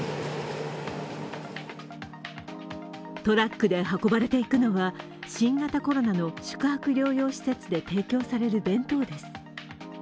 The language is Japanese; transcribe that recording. トラックで運ばれていくのは新型コロナの宿泊療養施設で提供される弁当です。